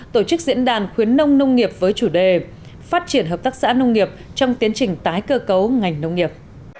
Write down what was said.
tổ chức diễn đàn khuyến nông nông nghiệp với chủ đề phát triển hợp tác xã nông nghiệp trong tiến trình tái cơ cấu ngành nông nghiệp